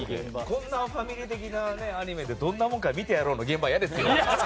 こんなファミリー的なアニメでどんなものか見てやろうな現場は嫌ですよ。